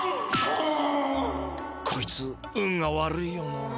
こいつ運が悪いよな。